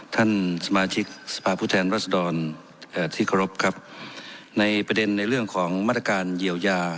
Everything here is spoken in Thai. ท่านสมาชิกสภาพผู้แทนรัศดรเอ่อที่เคารพครับในประเด็นในเรื่องของมาตรการเยียวยา